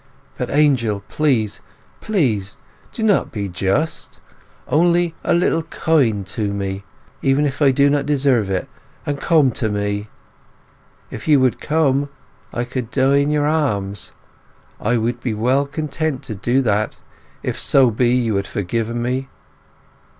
But, Angel, please, please, not to be just—only a little kind to me, even if I do not deserve it, and come to me! If you would come, I could die in your arms! I would be well content to do that if so be you had forgiven me!